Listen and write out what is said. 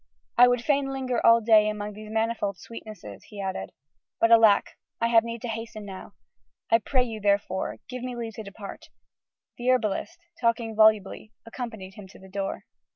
"I would fain linger all day among these manifold sweetnesses," he added, "but alack! I have need to hasten now. I pray you, therefore, give me leave to depart." The herbalist, talking volubly, accompanied him to the door.